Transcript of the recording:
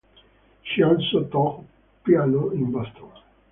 She also taught piano in Boston.